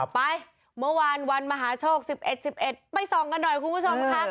ไปเมื่อวานวันมหาโชค๑๑๑๑ไปส่องกันหน่อยคุณผู้ชมค่ะ